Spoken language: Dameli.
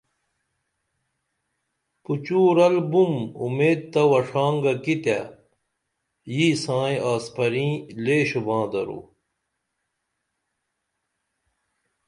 پُچو رلبُم اُمید تہ وݜانگہ کی تے ییئی سائیں آسپریں لے شوباں درو